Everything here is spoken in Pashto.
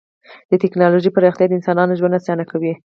د ټکنالوژۍ پراختیا د انسانانو ژوند اسانه کوي.